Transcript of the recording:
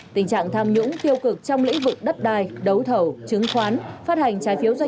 tình trạng tham nhũng tiêu cực trong lĩnh vực đất đai đấu thầu chứng khoán phát hành trái phiếu doanh